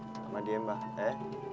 sama dia mbah ya